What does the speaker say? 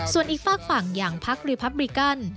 ส่วนอีกฝากฝั่งอย่างพักรีพับริกัน